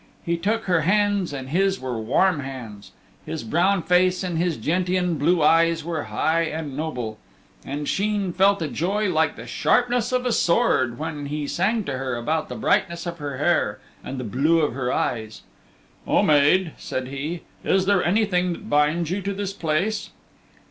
He took her hands and his were warm hands. His brown face and his gentian blue eyes were high and noble. And Sheen felt a joy like the sharpness of a sword when he sang to her about the brightness of her hair and the blue of her eyes. "O Maid," said he, "is there anything that binds you to this place?"